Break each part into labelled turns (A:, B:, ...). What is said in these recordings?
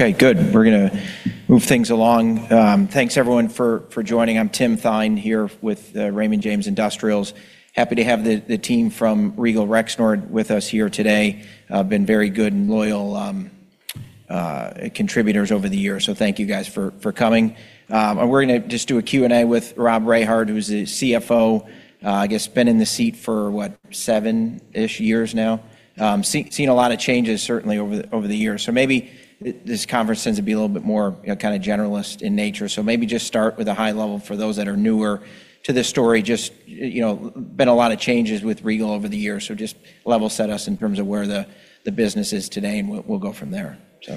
A: Okay, good. We're gonna move things along. Thanks everyone for joining. I'm Tim Thein here with Raymond James Industrials. Happy to have the team from Regal Rexnord with us here today. Been very good and loyal contributors over the years. Thank you guys for coming. We're gonna just do a Q&A with Robert Rehard, who's the CFO. I guess, been in the seat for what? seven-ish years now. Seen a lot of changes certainly over the years. Maybe, this conference tends to be a little bit more, you know, kinda generalist in nature. Maybe just start with a high level for those that are newer to this story. Just been a lot of changes with Regal over the years, so just level set us in terms of where the business is today, and we'll go from there.
B: Sure.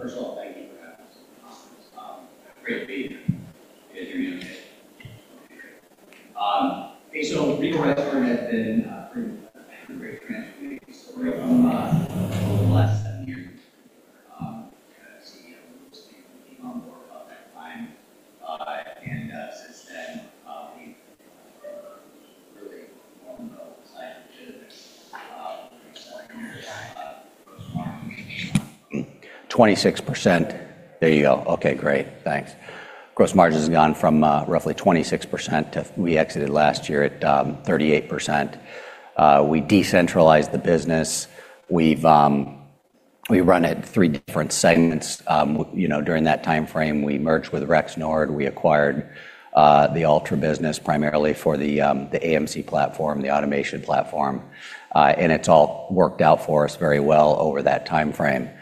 B: First of all, thank you for having us. Great to be here. Good to be okay. Regal Rexnord has been a great transformation story over the last seven years. As CEO, Louis came on board about that time. Since then, we've really formed a design-engineered, mixed margin, gross margin. 26%. There you go. Okay, great. Thanks. Gross margin's gone from roughly 26% to we exited last year at 38%. We decentralized the business. We run it three different segments. You know, during that timeframe, we merged with Rexnord. We acquired the Altra business primarily for the AMC platform, the automation platform. It's all worked out for us very well over that timeframe.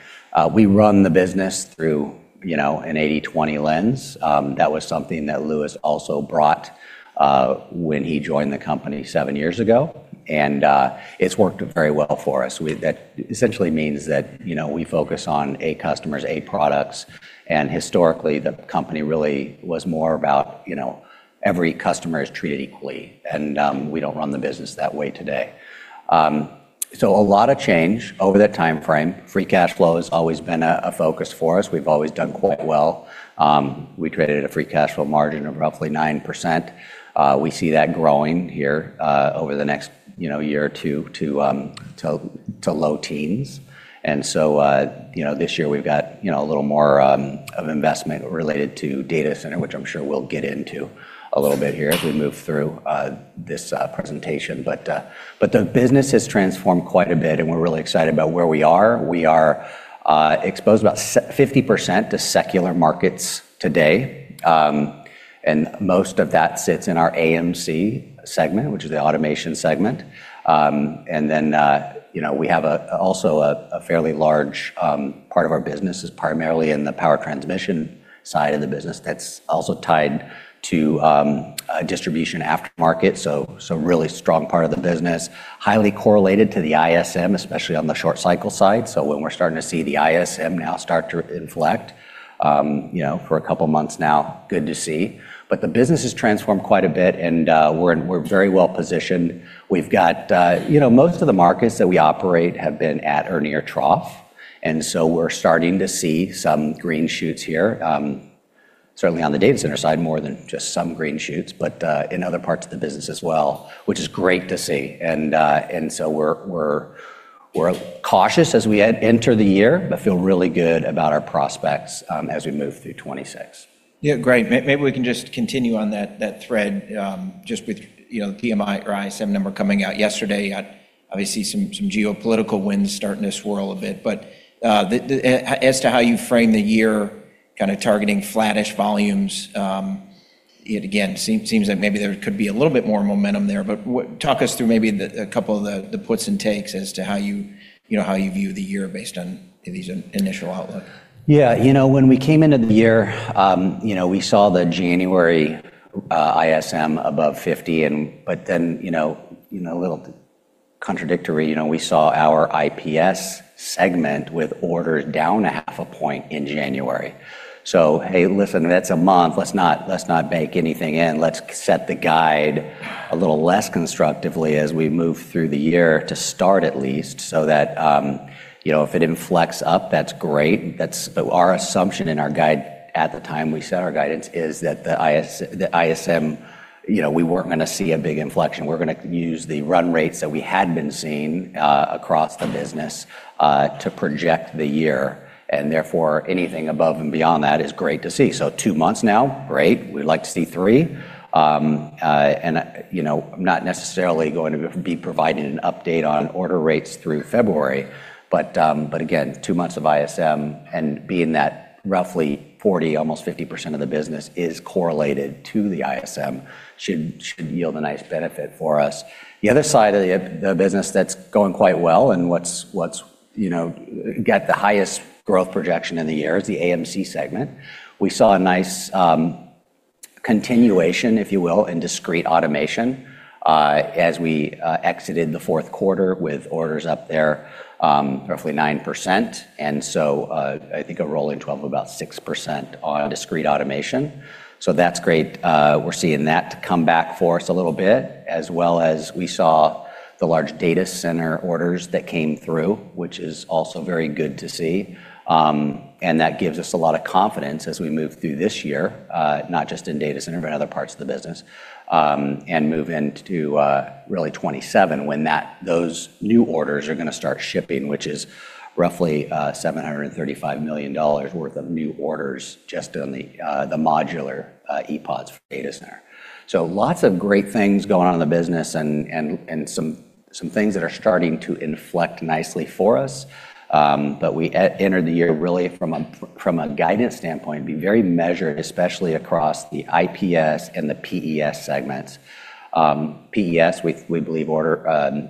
B: We run the business through, you know, an 80/20 lens. That was something that Louis also brought when he joined the company seven years ago. It's worked very well for us. That essentially means that, you know, we focus on A customers, A products. Historically, the company really was more about, you know, every customer is treated equally. We don't run the business that way today. A lot of change over that timeframe. Free cash flow has always been a focus for us. We've always done quite well. We created a free cash flow margin of roughly 9%. We see that growing here over the next, you know, year or two to low teens. You know, this year we've got, you know, a little more of investment related to data center, which I'm sure we'll get into a little bit here as we move through this presentation. The business has transformed quite a bit, and we're really excited about where we are. We are exposed about 50% to secular markets today. Most of that sits in our AMC segment, which is the automation segment. You know, we have a, also a fairly large part of our business is primarily in the power transmission side of the business. That's also tied to a distribution aftermarket. Really strong part of the business. Highly correlated to the ISM, especially on the short cycle side. When we're starting to see the ISM now start to inflect, you know, for a couple months now, good to see. The business has transformed quite a bit and we're very well positioned. We've got, you know, most of the markets that we operate have been at or near trough, we're starting to see some green shoots here. Certainly on the data center side, more than just some green shoots, but in other parts of the business as well, which is great to see. We're cautious as we enter the year, but feel really good about our prospects as we move through 2026.
A: Yeah, great. Maybe we can just continue on that thread, just with, you know, the PMI or ISM number coming out yesterday. Obviously some geopolitical winds starting to swirl a bit. The, as to how you frame the year kinda targeting flattish volumes, it again seems that maybe there could be a little bit more momentum there. Talk us through maybe the, a couple of the puts and takes as to how you know, how you view the year based on these initial outlook?
B: Yeah. You know, when we came into the year, you know, we saw the January ISM above 50. You know, a little contradictory, you know, we saw our IPS segment with orders down a half a point in January. Hey, listen, that's a month. Let's not bake anything in. Let's set the guide a little less constructively as we move through the year to start at least, so that, you know, if it inflects up, that's great. Our assumption in our guide at the time we set our guidance is that the ISM, you know, we weren't gonna see a big inflection. We're gonna use the run rates that we had been seeing across the business to project the year. Therefore, anything above and beyond that is great to see. Two months now, great. We'd like to see 3. I'm not necessarily going to be providing an update on order rates through February. Again, two months of ISM and being that roughly 40, almost 50% of the business is correlated to the ISM should yield a nice benefit for us. The other side of the business that's going quite well and what's, you know, got the highest growth projection in the year is the AMC segment. We saw a nice continuation, if you will, in discrete automation, as we exited the fourth quarter with orders up there, roughly 9%. I think a rolling 12, about 6% on discrete automation. That's great. We're seeing that come back for us a little bit, as well as we saw the large data center orders that came through, which is also very good to see. That gives us a lot of confidence as we move through this year, not just in data center, but other parts of the business, and move into, really 2027 when those new orders are gonna start shipping, which is roughly $735 million worth of new orders just on the modular, ePODs for data center. Lots of great things going on in the business and some things that are starting to inflect nicely for us. We enter the year really from a, from a guidance standpoint, be very measured, especially across the IPS and the PES segments. PES, we believe order,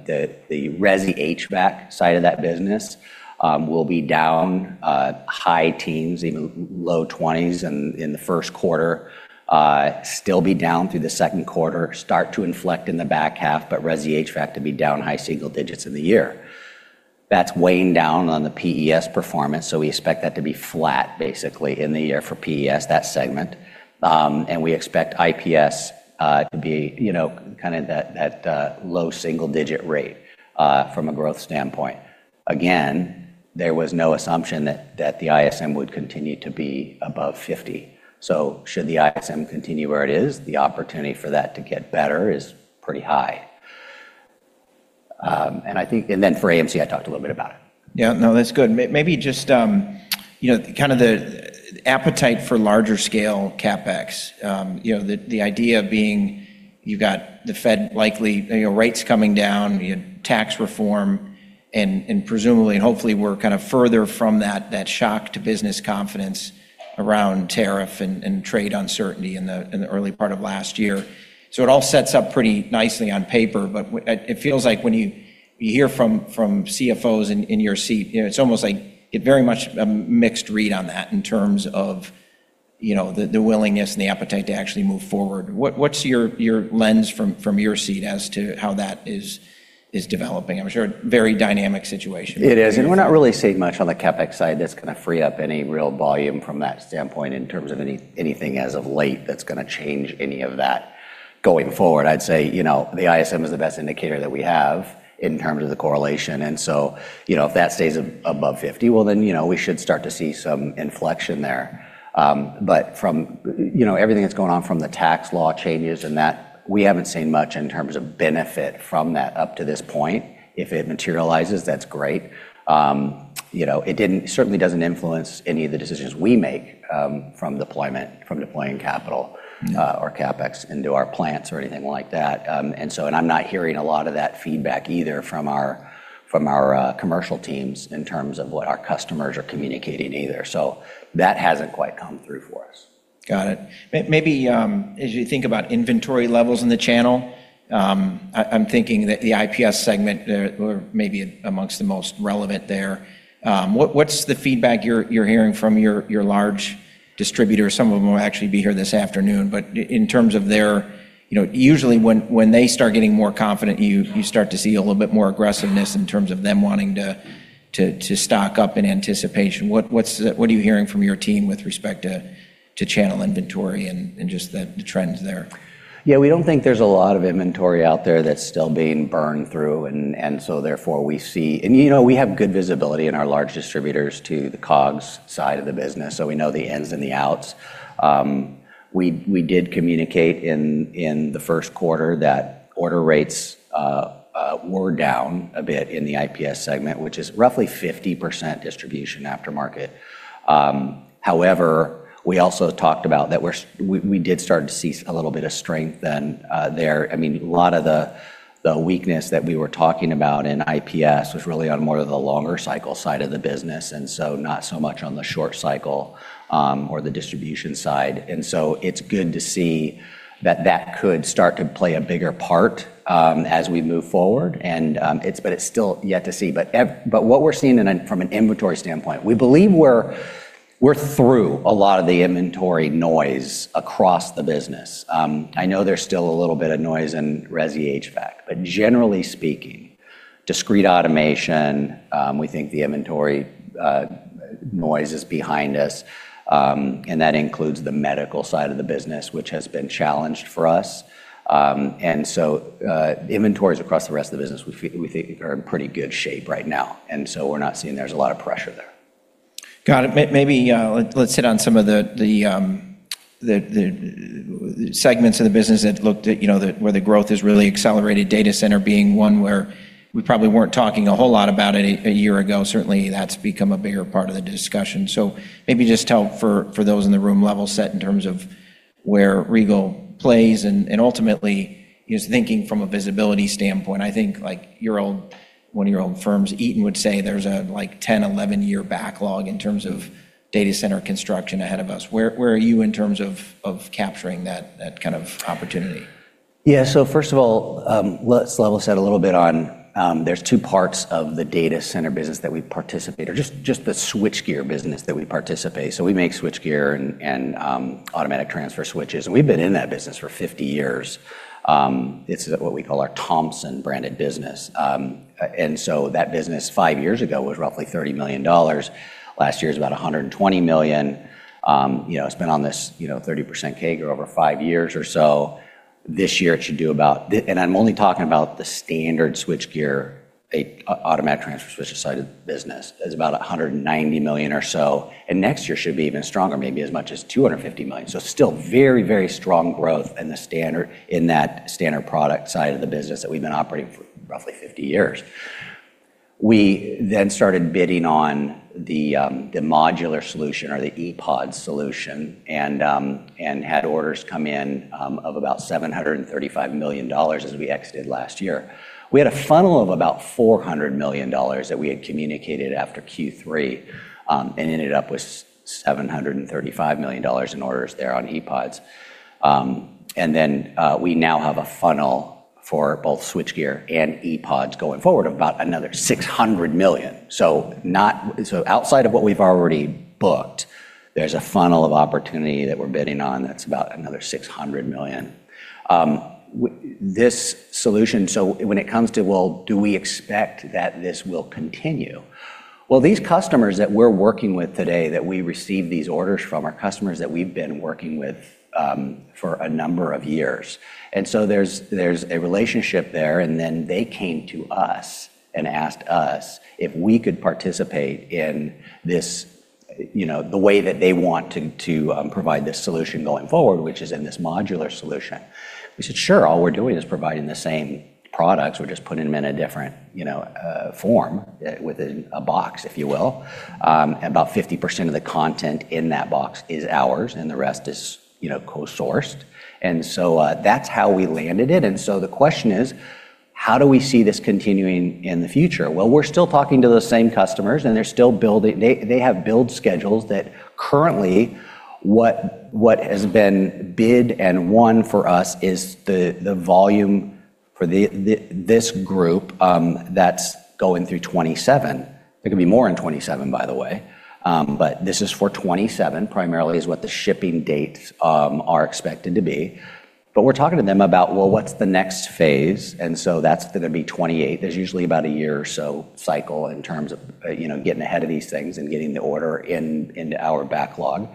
B: the resi HVAC side of that business will be down high teens, even low 20s in the first quarter, still be down through the second quarter, start to inflect in the back half, but resi HVAC to be down high single digits in the year. That's weighing down on the PES performance. We expect that to be flat basically in the year for PES, that segment. We expect IPS to be, you know, kinda that low single digit rate from a growth standpoint. Again, there was no assumption that the ISM would continue to be above 50. Should the ISM continue where it is, the opportunity for that to get better is pretty high. For AMC, I talked a little bit about it.
A: Yeah, no, that's good. Maybe just, you know, kind of the appetite for larger scale CapEx, you know, the idea being you've got the Fed likely, you know, rates coming down, you know, tax reform, and presumably and hopefully we're kind of further from that shock to business confidence around tariff and trade uncertainty in the early part of last year. It all sets up pretty nicely on paper, but it feels like when you hear from CFOs in your seat, you know, it's almost like get very much a mixed read on that in terms of, you know, the willingness and the appetite to actually move forward. What's your lens from your seat as to how that is developing? I'm sure very dynamic situation.
B: It is. We're not really seeing much on the CapEx side that's gonna free up any real volume from that standpoint in terms of anything as of late that's gonna change any of that going forward. I'd say, you know, the ISM is the best indicator that we have in terms of the correlation. You know, if that stays above 50, well, you know, we should start to see some inflection there. From, you know, everything that's going on from the tax law changes and that, we haven't seen much in terms of benefit from that up to this point. If it materializes, that's great. You know, it certainly doesn't influence any of the decisions we make from deploying capital or CapEx into our plants or anything like that. I'm not hearing a lot of that feedback either from our commercial teams in terms of what our customers are communicating either. That hasn't quite come through for us.
A: Got it. Maybe, as you think about inventory levels in the channel, I'm thinking that the IPS segment, or maybe amongst the most relevant there, what's the feedback you're hearing from your large distributors? Some of them will actually be here this afternoon. In terms of their. You know, usually when they start getting more confident, you start to see a little bit more aggressiveness in terms of them wanting to stock up in anticipation. What are you hearing from your team with respect to channel inventory and just the trends there?
B: Yeah, we don't think there's a lot of inventory out there that's still being burned through. Therefore, we see. You know, we have good visibility in our large distributors to the COGS side of the business, so we know the ins and the outs. We did communicate in the first quarter that order rates were down a bit in the IPS segment, which is roughly 50% distribution aftermarket. However, we also talked about that we did start to see a little bit of strength then there. I mean, a lot of the weakness that we were talking about in IPS was really on more of the longer cycle side of the business, not so much on the short cycle or the distribution side. It's good to see that that could start to play a bigger part as we move forward. It's still yet to see. What we're seeing from an inventory standpoint, we believe we're through a lot of the inventory noise across the business. I know there's still a little bit of noise in resi HVAC. Generally speaking, discrete automation, we think the inventory noise is behind us. That includes the medical side of the business, which has been challenged for us. Inventories across the rest of the business we think are in pretty good shape right now. We're not seeing there's a lot of pressure there.
A: Got it. Maybe let's hit on some of the segments of the business that looked at, you know, the where the growth has really accelerated, data center being one where we probably weren't talking a whole lot about it a year ago. Certainly, that's become a bigger part of the discussion. Maybe just tell for those in the room, level set in terms of where Regal plays and ultimately is thinking from a visibility standpoint. I think like your own, one of your own firms, Eaton, would say there's a like 10, 11 year backlog in terms of data center construction ahead of us. Where are you in terms of capturing that kind of opportunity?
B: Yeah. First of all, let's level set a little bit on there's two parts of the data center business that we participate, or just the switchgear business that we participate. We make switchgear and automatic transfer switches, and we've been in that business for 50 years. It's what we call our Thomson branded business. That business five years ago was roughly $30 million. Last year it was about $120 million. You know, it's been on this, you know, 30% CAGR over five years or so. This year it should do about. I'm only talking about the standard switchgear, automatic transfer switch side of the business. It's about $190 million or so. Next year should be even stronger, maybe as much as $250 million. Still very, very strong growth in the standard, in that standard product side of the business that we've been operating for roughly 50 years. We then started bidding on the modular solution or the ePOD solution and had orders come in of about $735 million as we exited last year. We had a funnel of about $400 million that we had communicated after Q3 and ended up with $735 million in orders there on ePODs. And then, we now have a funnel for both switchgear and ePODs going forward of about another $600 million. Outside of what we've already booked, there's a funnel of opportunity that we're bidding on that's about another $600 million. So when it comes to, well, do we expect that this will continue? Well, these customers that we're working with today that we receive these orders from are customers that we've been working with for a number of years. There's, there's a relationship there, and then they came to us and asked us if we could participate in this, you know, the way that they want to provide this solution going forward, which is in this modular solution. We said, "Sure." All we're doing is providing the same products. We're just putting them in a different, you know, form within a box, if you will. About 50% of the content in that box is ours, and the rest is, you know, co-sourced. That's how we landed it. The question is: How do we see this continuing in the future? Well, we're still talking to those same customers, and they're still building. They have build schedules that currently what has been bid and won for us is the volume for this group, that's going through 27. There could be more in 27, by the way. This is for 27, primarily is what the shipping dates are expected to be. We're talking to them about, well, what's the next phase? That's gonna be 28. There's usually about a year or so cycle in terms of, you know, getting ahead of these things and getting the order in, into our backlog.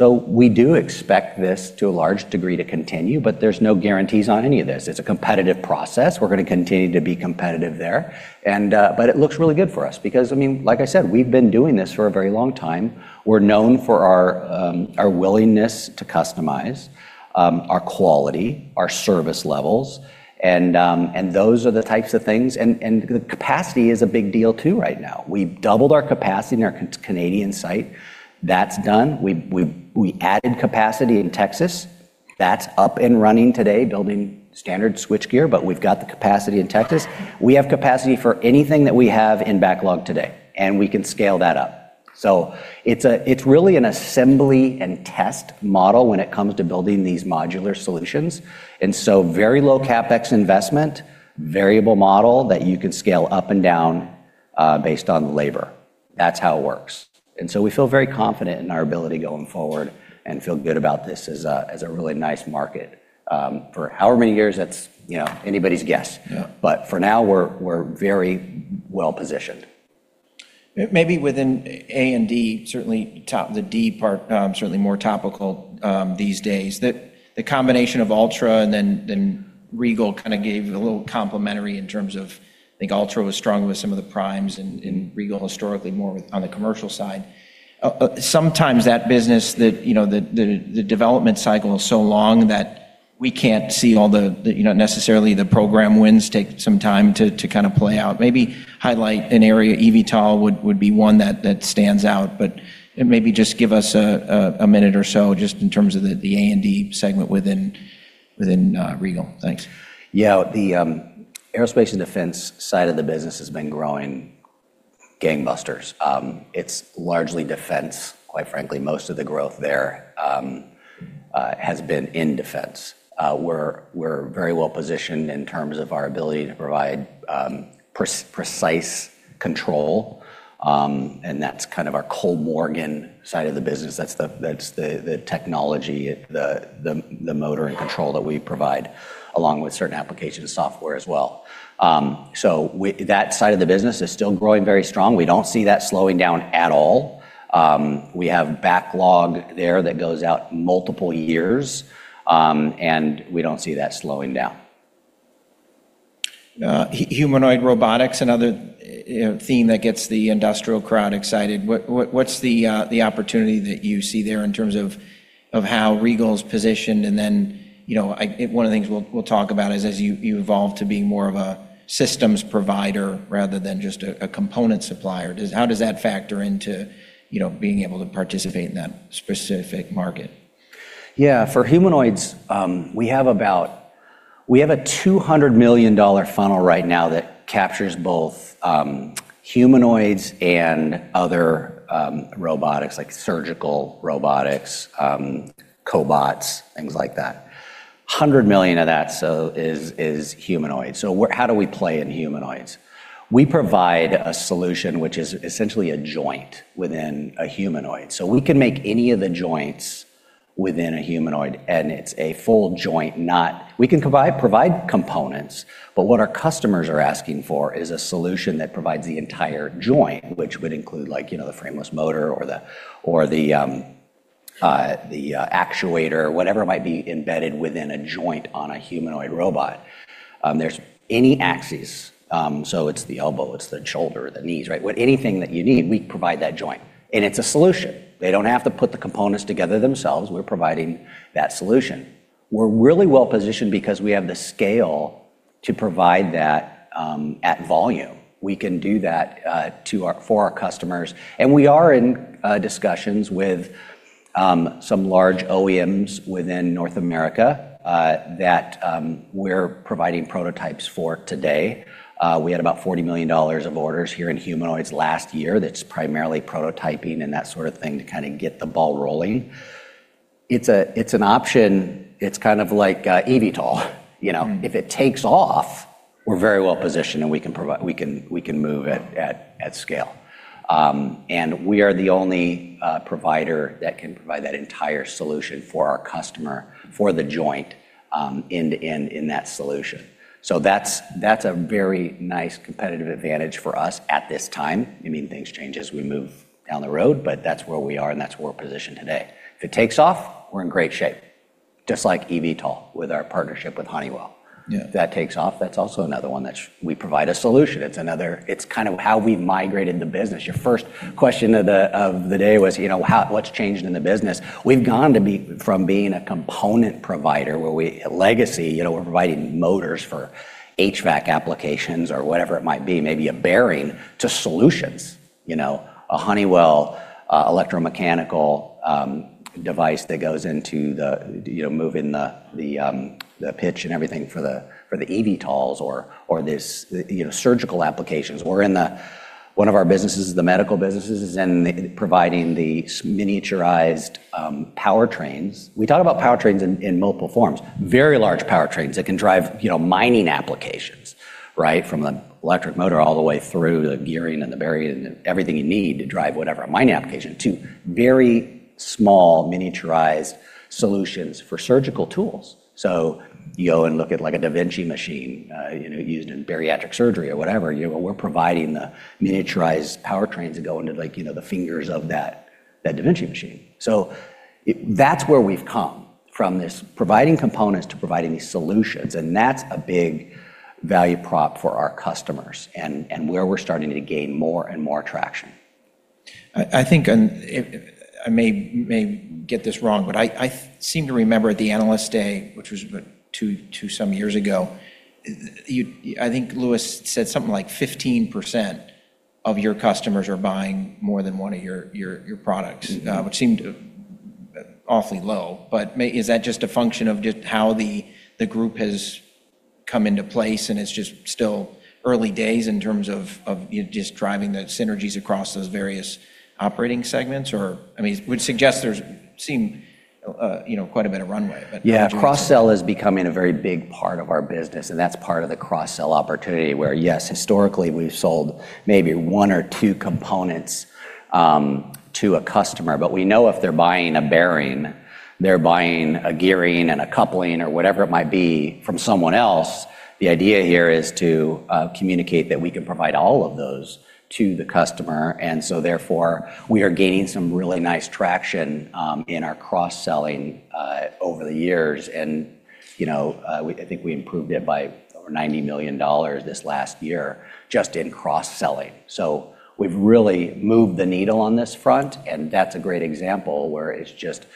B: We do expect this, to a large degree, to continue, but there's no guarantees on any of this. It's a competitive process. We're gonna continue to be competitive there. But it looks really good for us because, I mean, like I said, we've been doing this for a very long time. We're known for our willingness to customize, our quality, our service levels, and those are the types of things. The capacity is a big deal too right now. We've doubled our capacity in our Canadian site. That's done. We added capacity in Texas. That's up and running today, building standard switchgear, but we've got the capacity in Texas. We have capacity for anything that we have in backlog today, and we can scale that up. It's really an assembly and test model when it comes to building these modular solutions, very low CapEx investment, variable model that you can scale up and down based on labor. That's how it works. We feel very confident in our ability going forward and feel good about this as a, as a really nice market for however many years, that's, you know, anybody's guess.
A: Yeah.
B: For now, we're very well-positioned.
A: Maybe within A&D, certainly top the D part, certainly more topical these days, the combination of Altra and then Regal kinda gave a little complementary in terms of, I think Altra was strong with some of the primes and Regal historically more on the commercial side. Sometimes that business that, you know, the development cycle is so long that we can't see all the, you know, necessarily the program wins take some time to kind of play out. Maybe highlight an area, eVTOL would be one that stands out, but maybe just give us a minute or so just in terms of the A&D segment within Regal. Thanks.
B: Yeah. The Aerospace and Defense side of the business has been growing gangbusters. It's largely defense, quite frankly. Most of the growth there has been in defense. We're very well-positioned in terms of our ability to provide precise control, and that's kind of our Kollmorgen side of the business. That's the technology, the motor and control that we provide, along with certain applications software as well. That side of the business is still growing very strong. We don't see that slowing down at all. We have backlog there that goes out multiple years, and we don't see that slowing down.
A: Humanoid robotics, another theme that gets the industrial crowd excited. What's the opportunity that you see there in terms of how Regal's positioned? Then, you know, one of the things we'll talk about is as you evolve to being more of a systems provider rather than just a component supplier. How does that factor into, you know, being able to participate in that specific market?
B: Yeah. For humanoids, we have a $200 million funnel right now that captures both humanoids and other robotics, like surgical robotics, cobots, things like that. $100 million of that is humanoids. How do we play in humanoids? We provide a solution which is essentially a joint within a humanoid. We can make any of the joints within a humanoid, and it's a full joint. We can provide components, but what our customers are asking for is a solution that provides the entire joint, which would include like, you know, the frameless motor or the actuator, whatever might be embedded within a joint on a humanoid robot. There's any axis, so it's the elbow, it's the shoulder, the knees, right? Anything that you need, we provide that joint, and it's a solution. They don't have to put the components together themselves. We're providing that solution. We're really well-positioned because we have the scale to provide that at volume. We can do that for our customers, and we are in discussions with some large OEMs within North America that we're providing prototypes for today. We had about $40 million of orders here in humanoids last year that's primarily prototyping and that sort of thing to kinda get the ball rolling. It's a, it's an option. It's kind of like eVTOL. If it takes off, we're very well-positioned, and we can move at scale. We are the only provider that can provide that entire solution for our customer for the joint end to end in that solution. That's a very nice competitive advantage for us at this time. You mean, things change as we move down the road, but that's where we are, and that's where we're positioned today. If it takes off, we're in great shape, just like eVTOL with our partnership with Honeywell.
A: Yeah.
B: If that takes off, that's also another one that we provide a solution. It's another. It's kind of how we've migrated the business. Your first question of the day was, you know, what's changed in the business? We've gone from being a component provider where we, legacy, you know, we're providing motors for HVAC applications or whatever it might be, maybe a bearing, to solutions. You know, a Honeywell electromechanical device that goes into the, you know, moving the pitch and everything for the eVTOLs or this, you know, surgical applications. One of our businesses is the medical businesses and providing the miniaturized powertrains. We talk about powertrains in multiple forms. Very large powertrains that can drive, you know, mining applications, right? From the electric motor all the way through the gearing and the bearing and everything you need to drive whatever, a mining application, to very small miniaturized solutions for surgical tools. You go and look at like a da Vinci machine, you know, used in bariatric surgery or whatever. You know, we're providing the miniaturized powertrains that go into like, you know, the fingers of that da Vinci machine. That's where we've come from this providing components to providing these solutions, and that's a big value prop for our customers and where we're starting to gain more and more traction.
A: I think, and if I may get this wrong, but I seem to remember at the Analyst Day, which was but two some years ago, I think Louis said something like 15% of your customers are buying more than one of your products. which seemed awfully low. Is that just a function of just how the group has come into place, and it's just still early days in terms of just driving the synergies across those various operating segments? I mean, would suggest there's seem, you know, quite a bit of runway?
B: Yeah. Cross-sell is becoming a very big part of our business, and that's part of the cross-sell opportunity where, yes, historically, we've sold maybe one or two components to a customer. We know if they're buying a bearing, they're buying a gearing and a coupling or whatever it might be from someone else, the idea here is to communicate that we can provide all of those to the customer. Therefore, we are gaining some really nice traction in our cross-selling over the years. You know, I think we improved it by over $90 million this last year just in cross-selling. We've really moved the needle on this front, and that's a great example where it's just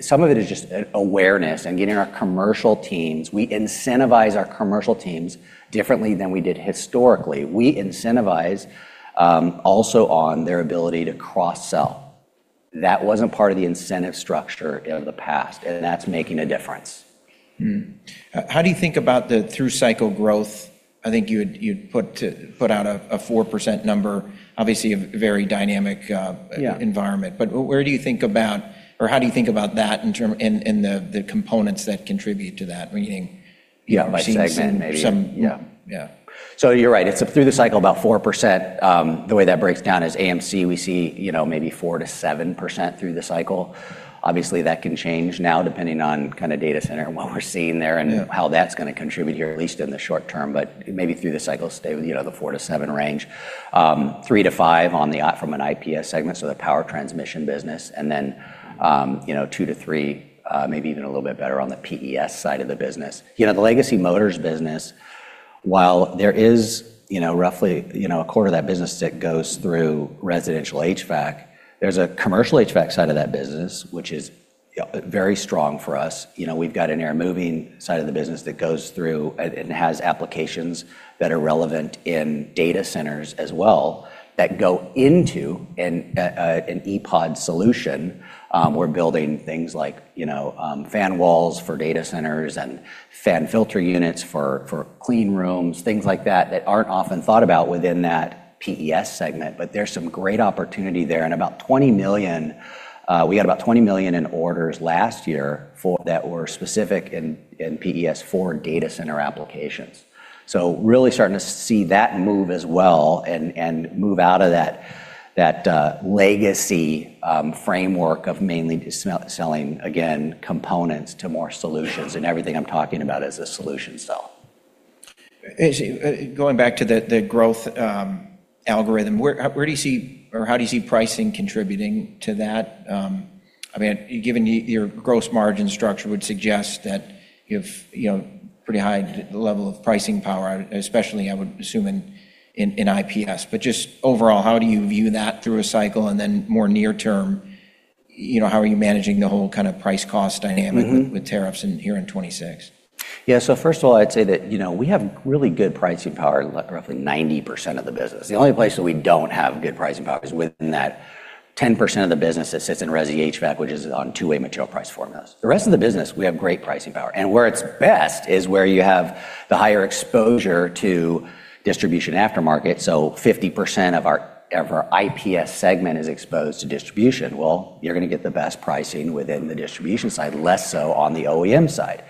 B: some of it is just awareness and getting our commercial teams. We incentivize our commercial teams differently than we did historically. We incentivize, also on their ability to cross-sell. That wasn't part of the incentive structure in the past. That's making a difference.
A: How do you think about the through cycle growth? I think you'd put out a 4% number, obviously a very dynamic,
B: Yeah.
A: environment. Where do you think about or how do you think about that in the components that contribute to that?
B: Yeah, by segment maybe.
A: seeing some. Yeah.
B: You're right. It's through the cycle about 4%. The way that breaks down is AMC, we see, you know, maybe 4%-7% through the cycle. Obviously, that can change now depending on kind of data center and what we're seeing there.
A: Yeah
B: and how that's gonna contribute here, at least in the short term. Maybe through the cycle, stay with, you know, the 4-7 range. 3-5 from an IPS segment, so the power transmission business, and then, you know, 2-3, maybe even a little bit better on the PES side of the business. You know, the legacy motors business, while there is, you know, roughly, you know, a quarter of that business that goes through residential HVAC, there's a commercial HVAC side of that business which is, you know, very strong for us. You know, we've got an air moving side of the business that goes through and has applications that are relevant in data centers as well that go into an ePOD solution. We're building things like, you know, fan walls for data centers and fan filter units for clean rooms, things like that aren't often thought about within that PES segment. There's some great opportunity there, and about $20 million, we had about $20 million in orders last year for that were specific in PES for data center applications. Really starting to see that move as well and move out of that legacy framework of mainly just selling, again, components to more solutions, and everything I'm talking about is a solution sell.
A: Is going back to the growth algorithm, where do you see or how do you see pricing contributing to that? I mean, given your gross margin structure would suggest that you have, you know, pretty high level of pricing power, especially, I would assume, in IPS. Just overall, how do you view that through a cycle? More near term, you know, how are you managing the whole kind of price/cost dynamic?
B: Mm-hmm
A: with tariffs here in 2026?
B: Yeah. First of all, I'd say that, you know, we have really good pricing power in roughly 90% of the business. The only place that we don't have good pricing power is within that 10% of the business that sits in resi HVAC, which is on two-way material price formulas. The rest of the business, we have great pricing power, and where it's best is where you have the higher exposure to distribution aftermarket. Fifty percent of our IPS segment is exposed to distribution. You're gonna get the best pricing within the distribution side, less so on the OEM side.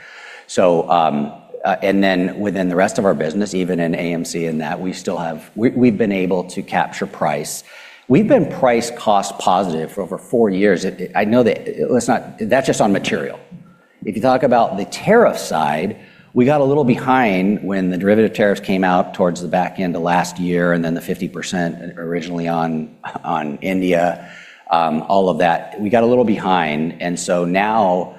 B: Within the rest of our business, even in AMC, in that we still have. We've been able to capture price. We've been price cost positive for over four years. That's just on material. If you talk about the tariff side, we got a little behind when the derivative tariffs came out towards the back end of last year and then the 50% originally on India, all of that. We got a little behind. Now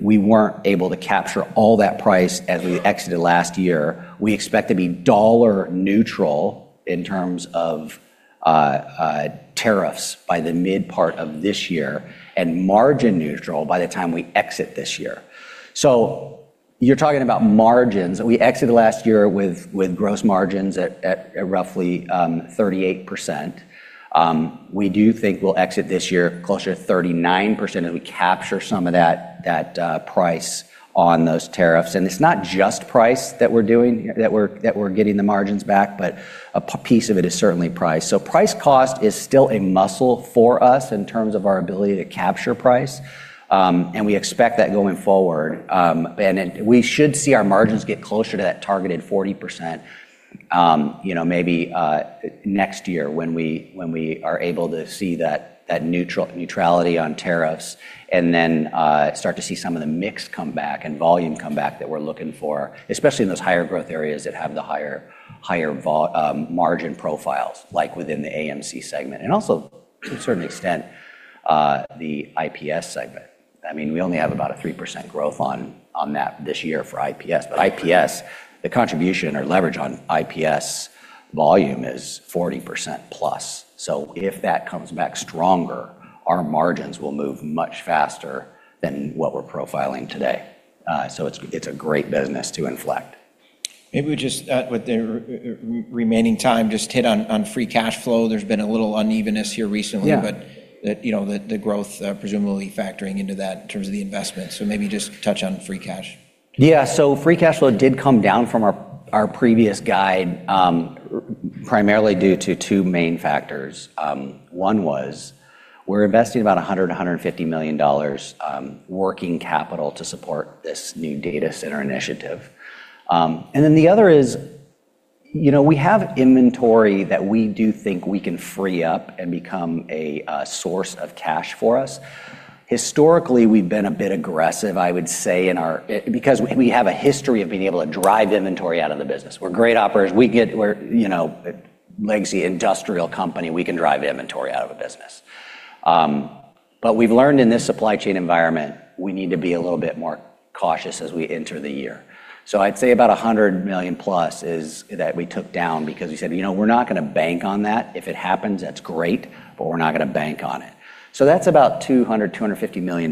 B: we weren't able to capture all that price as we exited last year. We expect to be dollar neutral in terms of tariffs by the mid part of this year and margin neutral by the time we exit this year. You're talking about margins. We exited last year with gross margins at roughly 38%. We do think we'll exit this year closer to 39% as we capture some of that price on those tariffs. It's not just price that we're doing here, that we're getting the margins back, but a piece of it is certainly price. Price cost is still a muscle for us in terms of our ability to capture price, and we expect that going forward. We should see our margins get closer to that targeted 40%, you know, maybe next year when we are able to see that neutrality on tariffs and then start to see some of the mix come back and volume come back that we're looking for, especially in those higher growth areas that have the higher margin profiles, like within the AMC segment and also to a certain extent, the IPS segment. I mean, we only have about a 3% growth on that this year for IPS. IPS, the contribution or leverage on IPS volume is 40%+. If that comes back stronger, our margins will move much faster than what we're profiling today. It's a great business to inflect.
A: Maybe we just, with the remaining time, just hit on free cash flow. There's been a little unevenness here recently.
B: Yeah
A: The, you know, the growth, presumably factoring into that in terms of the investment. Maybe just touch on free cash.
B: Yeah. Free cash flow did come down from our previous guide, primarily due to two main factors. One was we're investing about $150 million, working capital to support this new data center initiative. The other is, you know, we have inventory that we do think we can free up and become a source of cash for us. Historically, we've been a bit aggressive, I would say, because we have a history of being able to drive inventory out of the business. We're great operators. We're, you know, legacy industrial company. We can drive inventory out of a business. We've learned in this supply chain environment, we need to be a little bit more cautious as we enter the year. I'd say about $100 million+ that we took down because we said, "You know, we're not gonna bank on that. If it happens, that's great, but we're not gonna bank on it." That's about $250 million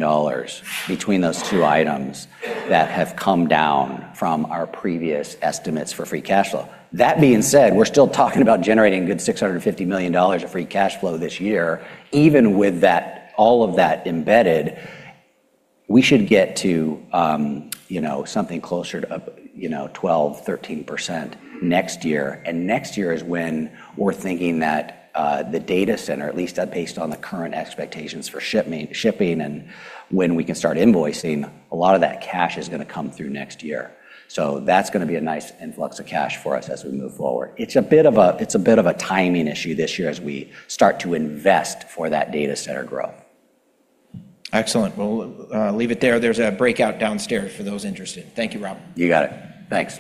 B: between those two items that have come down from our previous estimates for free cash flow. That being said, we're still talking about generating a good $650 million of free cash flow this year. Even with that, all of that embedded, we should get to, you know, something closer to up, you know, 12%-13% next year. Next year is when we're thinking that the data center, at least, based on the current expectations for shipping and when we can start invoicing, a lot of that cash is gonna come through next year. That's gonna be a nice influx of cash for us as we move forward. It's a bit of a timing issue this year as we start to invest for that data center growth.
A: Excellent. We'll leave it there. There's a breakout downstairs for those interested. Thank you, Robert.
B: You got it. Thanks.